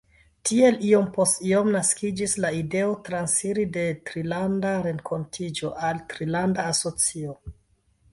Tiel, iom post iom, naskiĝis la ideo transiri de Trilanda Renkontiĝo al trilanda asocio.